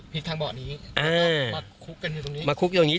พลิกทางเบาะนี้มาคุกกันอยู่ตรงนี้